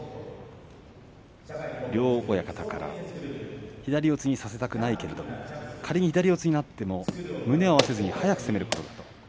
両親方から左四つにさせたくないけれども仮に左四つになっても胸を合わせずに速く攻めること。